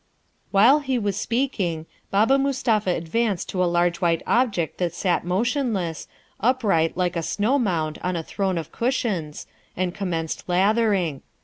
While he was speaking Baba Mustapha advanced to a large white object that sat motionless, upright like a snow mound on a throne of cushions, and commenced lathering.